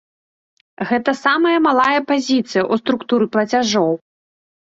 Гэта самая малая пазіцыя ў структуры плацяжоў.